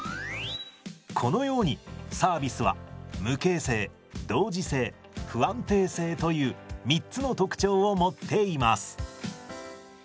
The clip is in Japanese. このようにサービスは無形性同時性不安定性という３つの特徴を持っています。